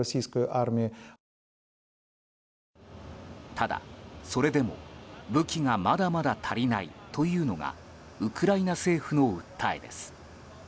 ただ、それでも武器がまだまだ足りないというのがウクライナ政府の訴えです。